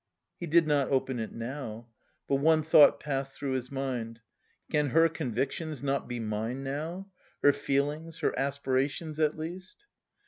He did not open it now, but one thought passed through his mind: "Can her convictions not be mine now? Her feelings, her aspirations at least...."